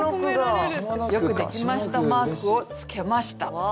よくできましたマークをつけました。